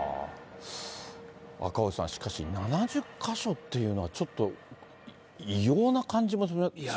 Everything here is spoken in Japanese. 赤星さん、しかし、７０か所っていうのはちょっと異様な感じもしますし。